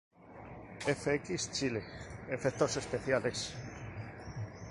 Fx Chile: Efectos especiales.